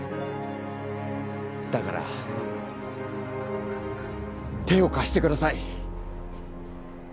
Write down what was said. だから手を貸してください。